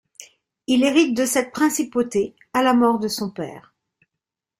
Il hérite de cette principauté à la mort de son père.